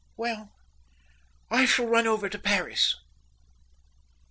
"Well, I shall run over to Paris."